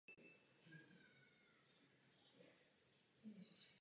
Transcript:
V evropské květeně tento rod není zastoupen.